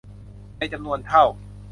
ในจำนวนเท่า